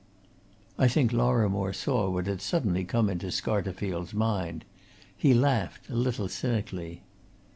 I think Lorrimore saw what had suddenly come into Scarterfield's mind. He laughed, a little cynically.